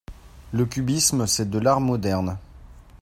Le cubisme c'est de l'art moderne.